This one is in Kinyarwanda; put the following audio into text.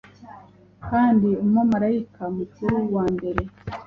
Kandi Umumarayika mukuru wambere